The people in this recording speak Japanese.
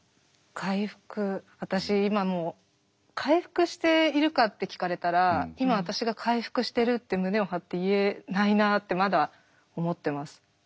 回復私今も回復しているかって聞かれたら今私が回復してるって胸を張って言えないなってまだ思ってます。